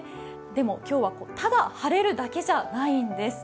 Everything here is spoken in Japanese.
でも今日は、ただ晴れるだけじゃないんです。